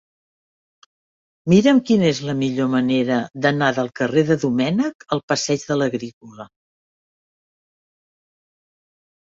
Mira'm quina és la millor manera d'anar del carrer de Domènech al passeig de l'Agrícola.